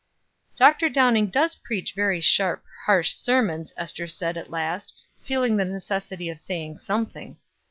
"Dr. Downing does preach very sharp, harsh sermons," Ester said at last, feeling the necessity of saying something.